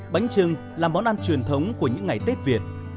bánh trưng là món ăn truyền thống của những ngày tết việt